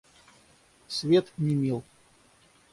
Свет не мил.